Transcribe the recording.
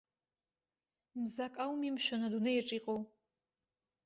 Мзак ауми, мшәан, адунеиаҿ иҟоу?